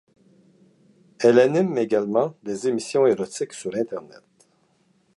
Elle anime également des émissions érotiques sur Internet.